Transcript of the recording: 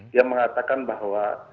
dia mengatakan bahwa